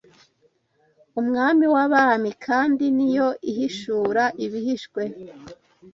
umwami w’abami kandi ni yo ihishura ibihishwe